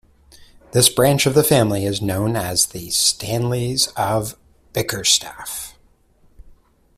This branch of the family is known as the "Stanleys of Bickerstaffe".